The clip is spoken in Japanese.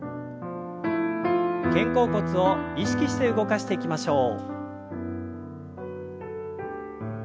肩甲骨を意識して動かしていきましょう。